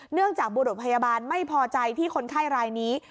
จากบุรุษพยาบาลไม่พอใจที่คนไข้รายนี้